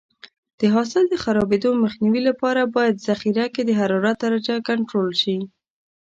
د حاصل د خرابېدو مخنیوي لپاره باید ذخیره کې د حرارت درجه کنټرول شي.